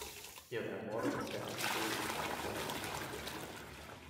Ihre Ermordung ist der Anstoß für ganz Irland zu handeln.